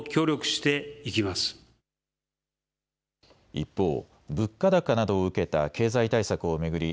一方、物価高などを受けた経済対策を巡り